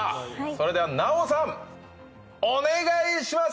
それでは奈緒さんお願いします。